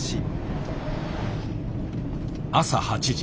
朝８時。